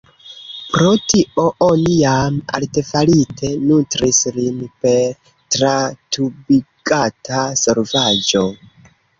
Pro tio oni jam artefarite nutris lin per tratubigata solvaĵo.